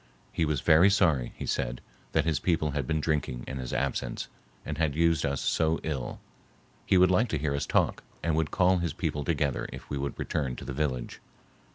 He was very sorry, he said, that his people had been drinking in his absence and had used us so ill; he would like to hear us talk and would call his people together if we would return to the village.